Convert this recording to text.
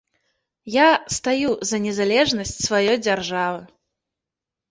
Я стаю за незалежнасць сваёй дзяржавы.